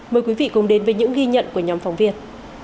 mời quý vị cùng đến với những ghi nhận của nhóm phóng viên